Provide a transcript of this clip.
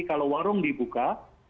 kalau warung dibuka